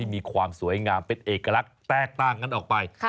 มีความสวยงามเป็นเอกลักษณ์แตกต่างกันออกไป